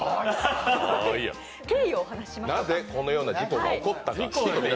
なんで、このような事故が起こったか。